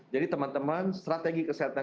jadi teman teman strategi kesehatan